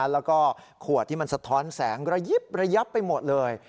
แล้วก็ขวดที่มันสะท้อนแสงระยิบระยับไปหมดเลย